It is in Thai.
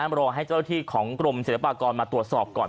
แล้วให้เจ้าที่ของกรมเศรษฐ์ปากรมาตรวจสอบก่อน